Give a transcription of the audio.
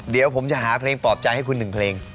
เดี๋ยวผมจะหาเพลงปลอบใจให้คุณหนึ่งเพลง